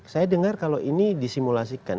saya dengar kalau ini disimulasikan